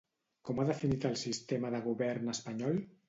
Com ha definit el sistema de govern espanyol?